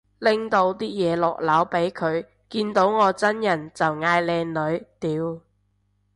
拎到啲嘢落樓俾佢，見到我真人就嗌靚女，屌